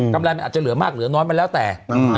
ไรมันอาจจะเหลือมากเหลือน้อยมันแล้วแต่